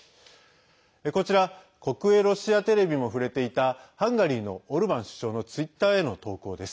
こちら国営ロシアテレビも触れていたハンガリーのオルバン首相のツイッターへの投稿です。